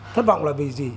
thất vọng là vì gì